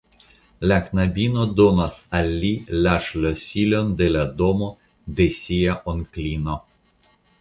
La knabino donas al li la ŝlosilon de la domo de sia onklino.